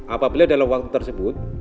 apabila dalam waktu tersebut